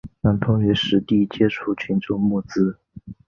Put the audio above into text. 让同学实地接触群众募资